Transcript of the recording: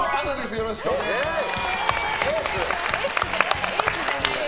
よろしくお願いします。